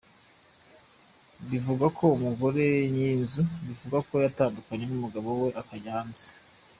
Bivugwa ko umugore nyir’iyi nzu bivugwa ko yatandukanye n’umugabo we, akajya hanze.